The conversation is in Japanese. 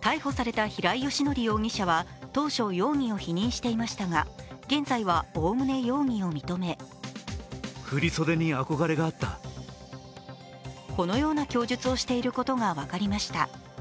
逮捕された平井英康容疑者は当初、容疑を否認していましたが、現在は、おおむね容疑を認めこのような供述をしていることが分かりました。